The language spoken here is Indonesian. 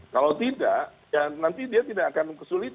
kalau tidak ya nanti dia tidak akan kesulitan